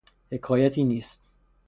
حکایتی نیست